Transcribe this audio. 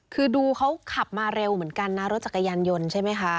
คือดูเขาขับมาเร็วเหมือนกันนะรถจักรยานยนต์ใช่ไหมคะ